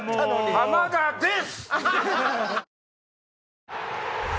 浜田です！